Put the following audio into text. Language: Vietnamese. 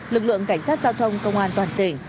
lực lượng cảnh sát giao thông công an toàn tỉnh